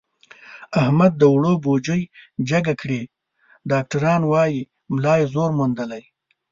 احمد د اوړو بوجۍ جګه کړې، ډاکټران وایي ملا یې زور موندلی.